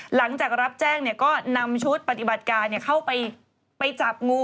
หลังจากรับแจ้งก็นำชุดปฏิบัติการเข้าไปจับงู